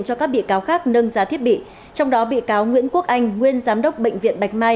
cho các bị cáo khác nâng giá thiết bị trong đó bị cáo nguyễn quốc anh nguyên giám đốc bệnh viện bạch mai